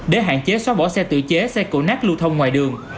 để hạn chế xóa bỏ xe tự chế xe cổ nát lưu thông ngoài đường